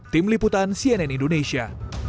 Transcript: tim liputan cnn indonesia